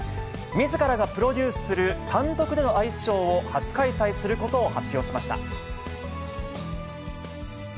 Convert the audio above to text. みずからがプロデュースする単独でのアイスショーを初開催することを発表しました。